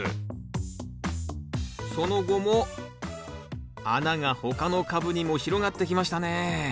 その後も穴が他の株にも広がってきましたね。